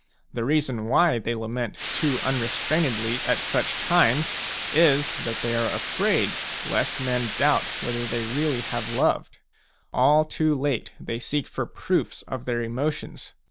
The reason why they lament too unrestrainedly at such times is that they are afraid lest men doubt whether they really have loved ; all too late they seek for proofs of their emotions.